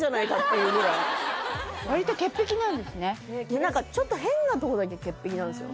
もう何か何かちょっと変なとこだけ潔癖なんですよ